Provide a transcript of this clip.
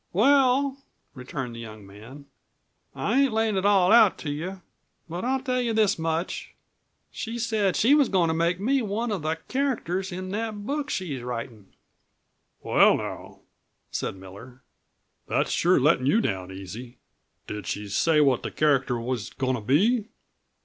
"Well," returned the young man, "I ain't layin' it all out to you. But I'll tell you this much; she said she was goin' to make me one of the characters in that book she's writin'." "Well, now," said Miller, "that's sure lettin' you down easy. Did she say what the character was goin' to be?"